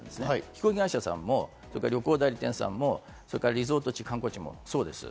飛行機会社さんも旅行代理店さんもリゾート地、観光地もそうです。